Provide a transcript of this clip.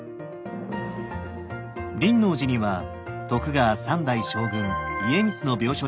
輪王寺には徳川三代将軍家光の廟所である